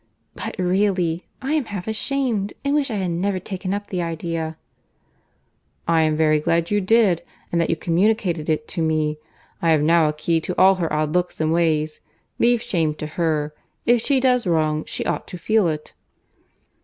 "But really, I am half ashamed, and wish I had never taken up the idea." "I am very glad you did, and that you communicated it to me. I have now a key to all her odd looks and ways. Leave shame to her. If she does wrong, she ought to feel it."